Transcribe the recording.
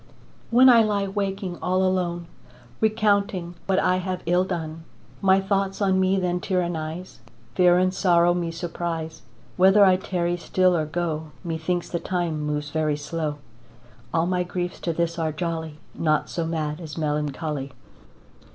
When I lie waking all alone, Recounting what I have ill done, My thoughts on me then tyrannise, Fear and sorrow me surprise, Whether I tarry still or go, Methinks the time moves very slow. All my griefs to this are jolly, Naught so mad as melancholy.